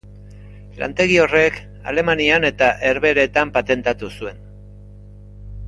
Lantegi horrek Alemanian eta Herbehereetan patentatu zuen.